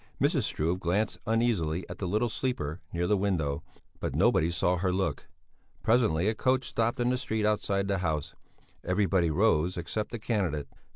Mrs. Struve glanced uneasily at the little sleeper near the window, but nobody saw her look. Presently a coach stopped in the street outside the house. Everybody rose except the candidate.